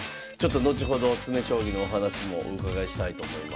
後ほど詰将棋のお話もお伺いしたいと思います。